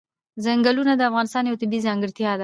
ځنګلونه د افغانستان یوه طبیعي ځانګړتیا ده.